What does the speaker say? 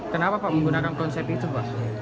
kenapa pak menggunakan konsep itu pak